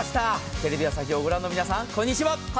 テレビ朝日をご覧の皆さんこんにちは！